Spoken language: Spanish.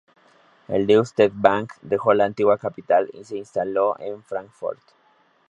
El Deutsche Bank dejó la antigua capital y se instaló en Fráncfort.